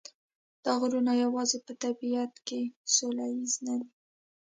دا غرونه یوازې په طبیعت کې سوله ییز نه دي.